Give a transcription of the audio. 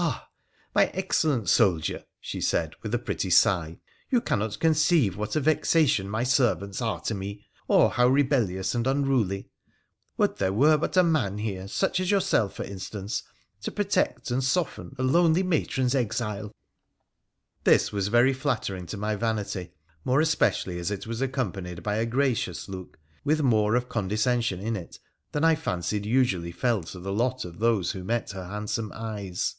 ' Ah ! my excellent soldier,' she said with a pretty sigh, ' you cannot conceive what a vexation my servants are to me, or how rebellious and unruly ! Would there were but a man here, such as yourself for instance, to protect and soften a lonely matron's exile.' This was very flattering to my vanity, more especially as it was accompanied by a gracious look, with more of con descension in it than I fancied usually fell to the lot of those who met her handsome eyes.